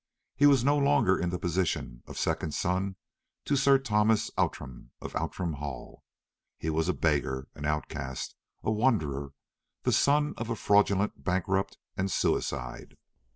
He was no longer in the position of second son to Sir Thomas Outram of Outram Hall. He was a beggar, an outcast, a wanderer, the son of a fraudulent bankrupt and suicide.